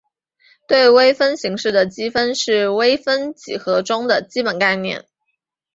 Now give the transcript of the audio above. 对微分形式的积分是微分几何中的基本概念。